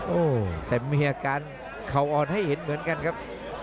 โอ้โหแต่มีอาการเข่าอ่อนให้เห็นเหมือนกันครับ